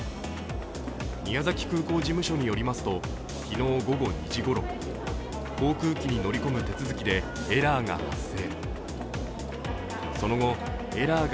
宮崎空港事務所によりますと昨日午後２時ごろ、航空機に乗り込む手続きでエラーが発生。